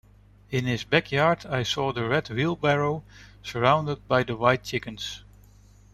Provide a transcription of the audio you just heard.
In his back yard I saw the red wheelbarrow surrounded by the white chickens.